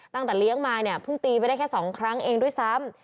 ตั้งแต่เลี้ยงมาเนี่ยเพิ่งตีไปได้แค่๒ครั้งเองด้วยซ้ำ